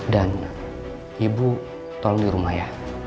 dan ibu tolong di rumah ya